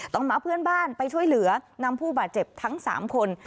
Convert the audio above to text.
ต่อมาเพื่อนบ้านไปช่วยเหลือนำผู้บาดเจ็บทั้ง๓คน